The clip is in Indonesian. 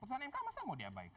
putusan mk masa mau diabaikan